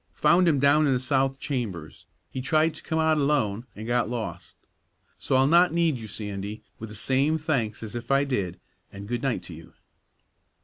Found him down in the south chambers; he tried to come out alone, an' got lost. So I'll not need you, Sandy, with the same thanks as if I did, an' good night to you!"